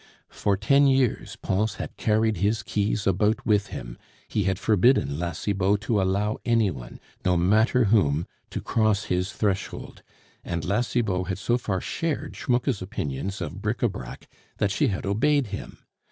For ten years Pons had carried his keys about with him; he had forbidden La Cibot to allow any one, no matter whom, to cross his threshold; and La Cibot had so far shared Schmucke's opinions of bric a brac, that she had obeyed him.